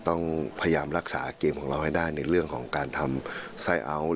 ต้องพยายามรักษาเกมของเราให้ได้ในเรื่องของการทำไส้อัล